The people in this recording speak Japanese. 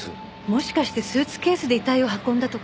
もしかしてスーツケースで遺体を運んだとか？